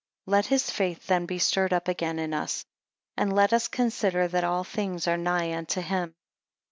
12 Let his faith then be stirred up again in us; and let us consider that all things are nigh unto him.